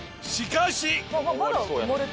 しかし。